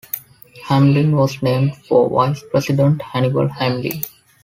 Hamlin was named for Vice President Hannibal Hamlin.